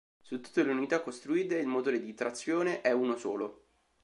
Su tutte le unità costruite il motore di trazione è uno solo.